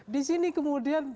di sini kemudian